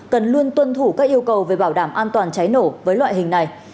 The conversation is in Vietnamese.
cần luôn tuân thủ các yêu cầu về bảo đảm an toàn cháy nổ với loại hình này